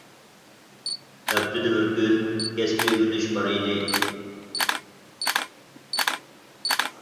ھەپتىدە بىر كۈن كەسپى ئۆگىنىش بار ئىدى.